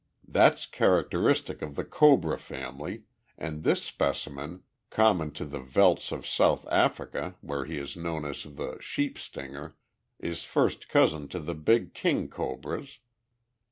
That's characteristic of the cobra family, and this specimen common to the veldts of South Africa where he is known as the 'sheep stinger' is first cousin to the big king cobras.